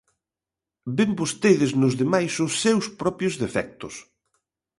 Ven vostedes nos demais os seus propios defectos.